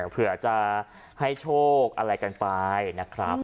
เผื่อจะให้โชคอะไรกันไปนะครับ